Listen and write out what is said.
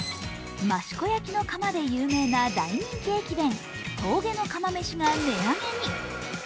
益子焼の釜で有名な大人気駅弁、峠の釜めしが値上げに。